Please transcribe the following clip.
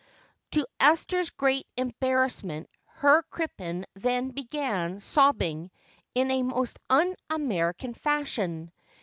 To Esther's great embarrassment Herr Crippen then began sobbing in a most un American fashion.